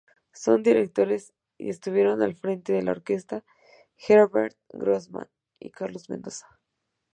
Dos directores estuvieron al frente de la orquesta: Herbert Grossman y Carlos Mendoza.